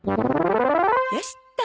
よしっと。